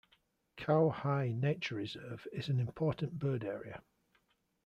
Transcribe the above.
Cao Hai Nature Reserve is an Important Bird Area.